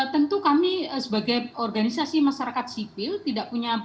tentu kami sebagai organisasi masyarakat sipil tidak punya